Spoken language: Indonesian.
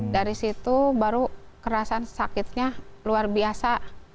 dari situ baru kerasan sakitnya luar biasa